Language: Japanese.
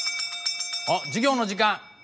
あっ授業の時間。